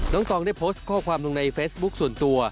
ตองได้โพสต์ข้อความลงในเฟซบุ๊คส่วนตัว